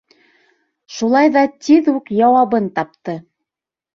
Шулай ҙа тиҙ үк яуабын тапты: